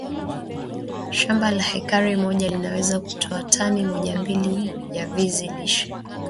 shamba la hekari moja linaweza kutoa tani mojambili ya vizi lishe